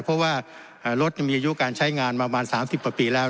เพราะว่าอ่ารถยังมีอายุการใช้งานประมาณสามสิบประปีแล้ว